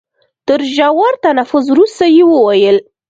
تر ژور تنفس وروسته يې وويل.